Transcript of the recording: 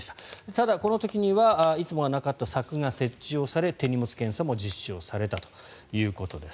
ただ、この時にはいつもはなかった柵が設置され手荷物検査も実施されたということです。